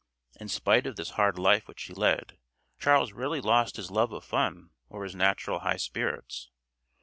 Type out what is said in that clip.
In spite of this hard life which he led, Charles rarely lost his love of fun or his natural high spirits.